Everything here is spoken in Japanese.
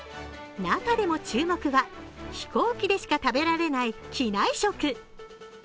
中でも注目は飛行機でしか食べられない機内食。